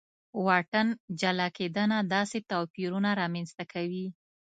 واټن جلا کېدنه داسې توپیرونه رامنځته کوي.